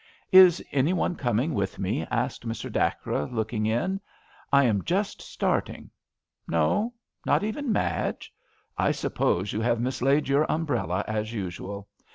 "Is any one coming with me?" asked Mr. Dacres, looking in. I am just starting. No ? Not even Madge? I suppose you have mislaid your umbrella as usual.